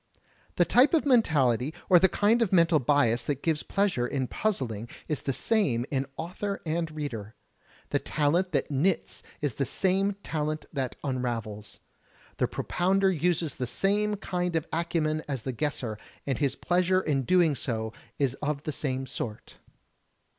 The type of mentality or the kind of mental bias that gives pleasure in puzzling is the same in author and reader. The THE ETERNAL CURIOUS 9 talent that knits is the same talent that unravels. The pro pounder uses the same kind of acumen as the guesser, and his pleasure in doing so is of the same sort.